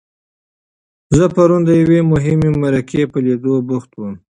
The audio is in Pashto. زه پرون د یوې مهمې مرکې په لیدو بوخت وم.